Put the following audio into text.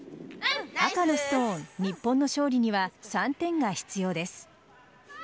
赤のストーン、日本の勝利には３点が必要です。